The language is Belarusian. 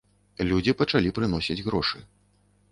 Людзі пачалі прыносіць грошы.